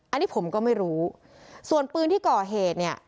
อันนี้ผมก็ไม่รู้ส่วนปืนที่ก่อเหตุเนี่ย